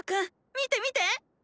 見て見て！